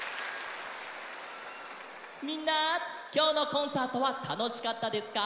みんなきょうのコンサートはたのしかったですか？